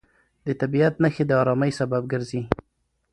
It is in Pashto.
د طبیعت نښې د ارامۍ سبب ګرځي.